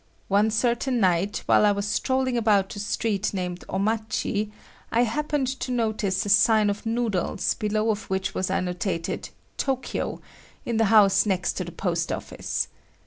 One certain night, while I was strolling about a street named Omachi, I happened to notice a sign of noodles below of which was annotated "Tokyo" in the house next to the post office.